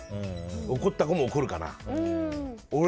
怒った子も怒るかな。